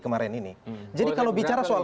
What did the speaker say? kemarin ini jadi kalau bicara soal